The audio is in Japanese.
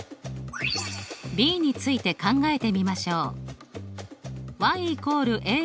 ｂについて考えてみましょう。